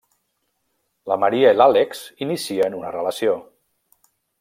La Maria i l'Àlex inicien una relació.